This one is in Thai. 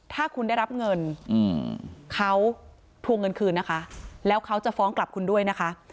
ถ้าคุณได้รับเงินเขาทวงเงินคืนนะคะแล้วเขาจะฟ้องกลับคุณด้วยนะคะ